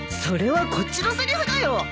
それはこっちのせりふだよ。